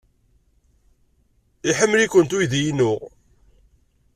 Iḥemmel-ikent uydi-inu.